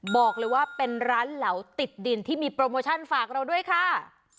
บอกเลยว่าเป็นร้านเหลาติดดินที่มีโปรโมชั่นฝากเราด้วยค่ะ